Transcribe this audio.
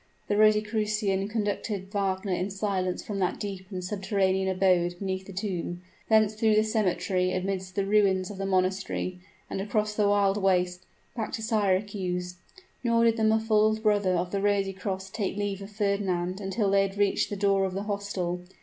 The Rosicrucian conducted Wagner in silence from that deep and subterranean abode beneath the tomb; thence through the cemetery amidst the ruins of the monastery and across the wild waste, back to Syracuse; nor did the muffled brother of the Rosy Cross take leave of Fernand until they had reached the door of the hostel.